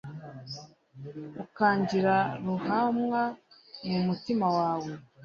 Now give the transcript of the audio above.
ukangira ruhamwa mu mutima wawe